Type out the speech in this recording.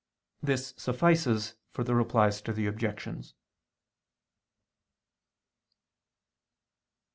This suffices for the Replies to the Objections.